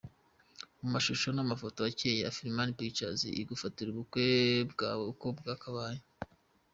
Mu mashusho n'amafoto akeye, Afrifame Pictures igufatira ubukwe bwawe uko bwakabaye.